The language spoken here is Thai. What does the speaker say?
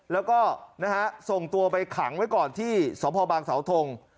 แล้วก็ส่งตัวไปขังไว้ก่อนที่สภบางสธงศ์